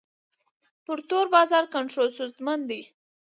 پر تور بازار کنټرول ستونزمن دی.